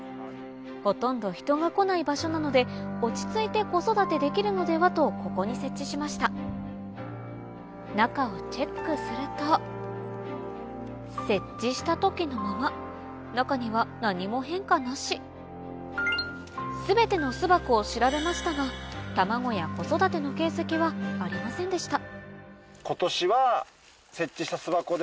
ほとんど人が来ない場所なので落ち着いて子育てできるのではとここに設置しました中をチェックすると設置した時のまま全ての巣箱を調べましたが卵や子育ての形跡はありませんでした